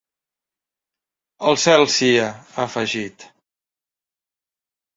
Al cel sia, ha afegit.